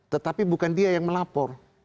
tetapi bukan dia yang melapor